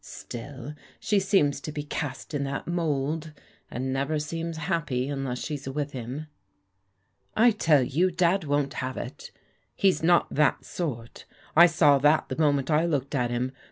Still, she seems to be cast in that mould, and never seems happy tmless she's with him." "I tell you. Dad won't have it. He's not that sort I saw that the moment I looked at him.